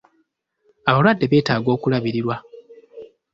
Abalwadde betaaga okulabirirwa.